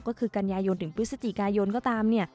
ก็คือกัญญาโยนถึงพฤศจิกายนก็ตาม